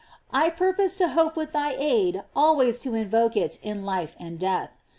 I purpose and hope with thy aid al ways to invoke it in life and death.